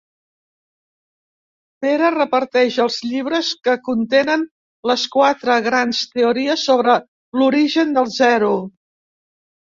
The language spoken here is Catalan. Pere reparteix els llibres que contenen les quatre grans teories sobre l'origen del zero.